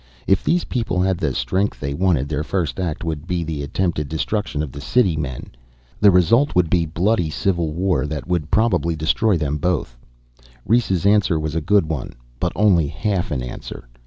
If these people had the strength they wanted, their first act would be the attempted destruction of the city men. The result would be bloody civil war that would probably destroy them both. Rhes' answer was a good one but only half an answer.